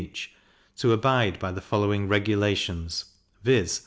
each, to abide by the following regulations; viz.